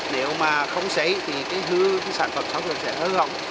nếu mà không xấy thì cái sản phẩm sẽ hơi gọng